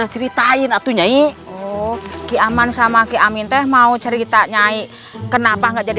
ceritain aku nyai oh ki amman samaiem inteh mau cerita nyai kenapa gak jadi